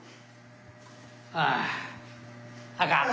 ああかん。